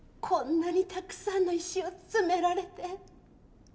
こんなにたくさんの石を詰められて。